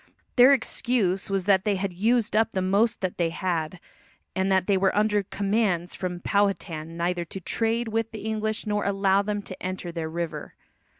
Their excuse was that they had used up the most that they had, and that they were under commands from Powhatan neither to trade with the English nor to allow them to enter their river.